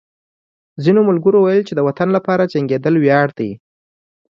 ځینو ملګرو ویل چې د وطن لپاره جنګېدل ویاړ دی